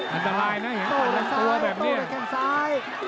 อันตรายนะเห็นทางซ้ายตัวในแข่งซ้าย